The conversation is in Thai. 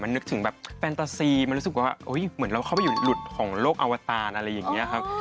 นึกถึงแบบแฟนตาซีมันรู้สึกว่าเหมือนเราเข้าไปอยู่หลุดของโลกอวตารอะไรอย่างนี้ครับ